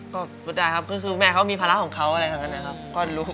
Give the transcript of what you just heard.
ก็ก็ได้ครับคือแม่เค้ามีภาระของเขาอะไรเท่านั้นนะครับ